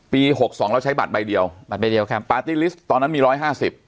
หกสองเราใช้บัตรใบเดียวบัตรใบเดียวครับปาร์ตี้ลิสต์ตอนนั้นมีร้อยห้าสิบ